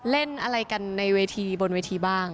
เล่นอะไรกันในเวทีบนเวทีบ้าง